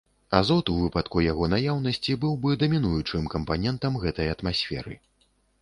Азот, у выпадку яго наяўнасці, быў бы дамінуючым кампанентам гэтай атмасферы.